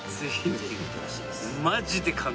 ぜひ見てほしいです